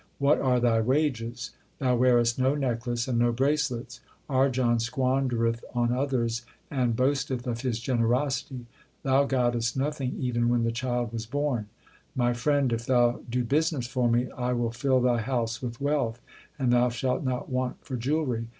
What are thy wages ? Thou wearest no necklace and no bracelets. Arjan squandereth on others and boas teth of his generosity. Thou gottest nothing even when the child was born. My friend, if thou do business for me, I will fill thy house with wealth, and thou shalt not want for jewellery.